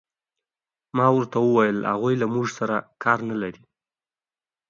ما ورته وویل: هغوی له موږ سره کار نه لري.